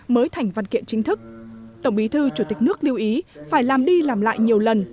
mới thành văn kiện chính thức tổng bí thư chủ tịch nước lưu ý phải làm đi làm lại nhiều lần